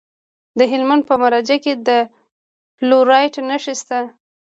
د هلمند په مارجه کې د فلورایټ نښې شته.